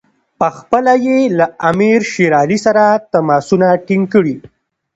پخپله یې له امیر شېر علي سره تماسونه ټینګ کړي.